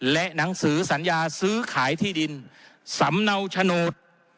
และหนังสือสัญญาซื้อขายที่ดินสำเนาโฉนด